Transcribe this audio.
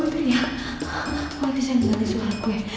kalau gue beriang kok nanti saya ngeganti suara gue